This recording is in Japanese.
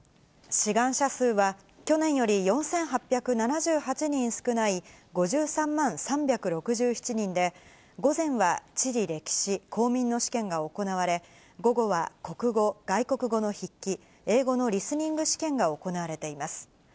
志願者数は、去年より４８７８人少ない５３万３６７人で、午前は地理歴史、公民の試験が行われ、午後は国語、外国語の筆記、英語のリスニング試験が行われています。